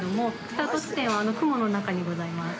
スタート地点は、あの雲の中にございます。